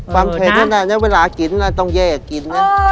ความแขนก็ได้นั่นเนอะเวลากินมันต้องแยกกินเนี่ย